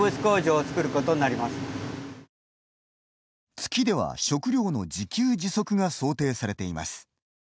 月では、食糧の自給自足が想定されています。